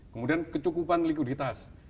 kemudian kecukupan likuiditas